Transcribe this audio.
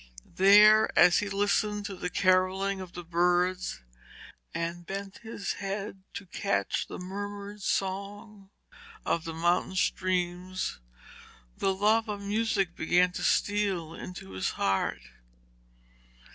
There as he listened to the carolling of the birds and bent his head to catch the murmured song of the mountain streams, the love of music began to steal into his heart.